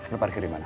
lo pergi ke dimana